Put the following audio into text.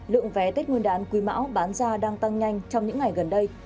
lượng vé tết nguyên đán quý mão bán ra đang tăng nhanh trong những ngày gần đây